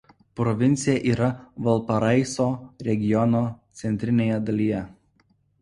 Provincija yra Valparaiso regiono centrinėje dalyje.